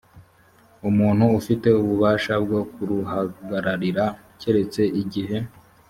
umuntu ufite ububasha bwo kuruhagararira keretse igihe